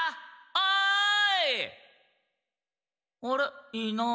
・おい！